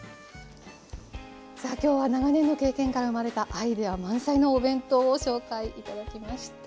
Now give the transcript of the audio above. さあ今日は長年の経験から生まれたアイデア満載のお弁当を紹介頂きました。